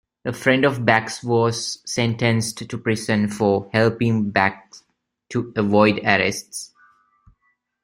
A friend of Bach's was sentenced to prison for helping Bach to avoid arrest.